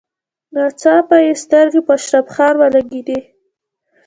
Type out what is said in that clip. ناڅاپه يې سترګې په اشرف خان ولګېدې.